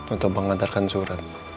untuk mengantarkan surat